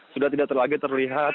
sudah tidak lagi terlihat